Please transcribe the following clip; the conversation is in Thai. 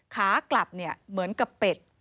ขากลับเหมือนกับเป็ด